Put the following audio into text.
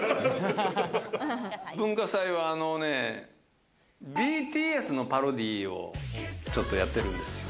文化祭はね、ＢＴＳのパロディをちょっとやってるんです。